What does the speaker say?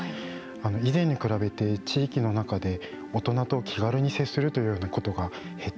以前に比べて地域の中で大人と気軽に接するというようなことが減っているということがあると思います。